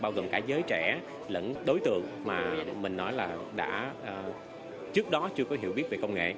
bao gồm cả giới trẻ lẫn đối tượng mà mình nói là trước đó chưa có hiểu biết về công nghệ